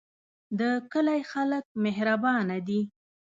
د کلی خلک مهربانه دي